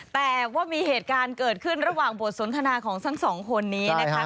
แต่ว่ามีเหตุการณ์เกิดขึ้นระหว่างบทสนทนาของทั้งสองคนนี้นะคะ